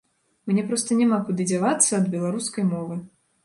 Мне проста няма куды дзявацца ад беларускай мовы.